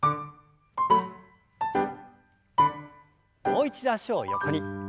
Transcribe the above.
もう一度脚を横に。